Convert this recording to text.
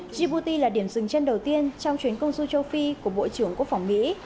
djibouti là điểm dừng chân đầu tiên trong chuyến công du châu phi của bộ trưởng quốc phòng mỹ